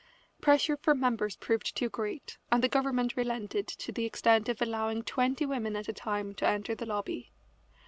Pressure from members proved too great, and the government relented to the extent of allowing twenty women at a time to enter the lobby.